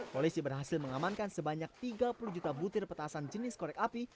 polisi berhasil mengamankan sebanyak tiga puluh juta butir petasan jenis korek api